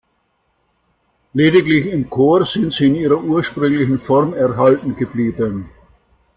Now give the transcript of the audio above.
Lediglich im Chor sind sie in ihrer ursprünglichen Form erhalten geblieben.